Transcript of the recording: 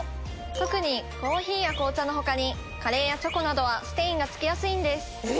特にコーヒーや紅茶のほかにカレーやチョコなどはステインがつきやすいんです。